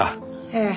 ええ。